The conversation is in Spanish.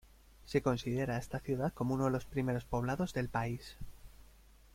Se considera a esta ciudad como uno de los primeros poblados del país.